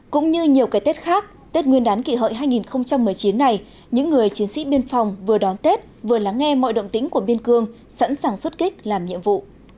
cũng như nhiều cái tết khác tết nguyên đán kỷ hợi hai nghìn một mươi chín này những người chiến sĩ biên phòng vừa đón tết vừa lắng nghe mọi động tĩnh của biên cương sẵn sàng xuất kích làm nhiệm vụ